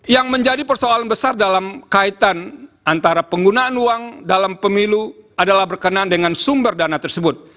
yang menjadi persoalan besar dalam kaitan antara penggunaan uang dalam pemilu adalah berkenan dengan sumber dana tersebut